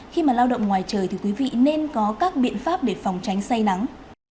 khi mà lao động ngoài trời thì quý vị nên có các biện pháp để phòng tránh say nắng